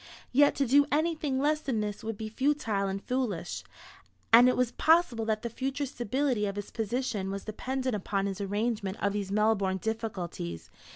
Yet to do anything less than this would be futile and foolish; and it was possible that the future stability of his position was dependent upon his arrangement of these Melbourne difficulties.